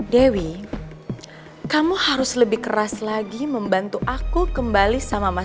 dewi kamu harus lebih keras lagi membantu aku kembali